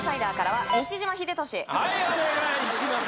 はいお願いします